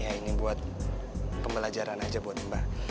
ya ini buat pembelajaran aja buat mbak